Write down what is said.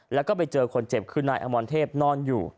แล้วก็ไปเจอคนเจ็บคือนายอมรเทพนอนอยู่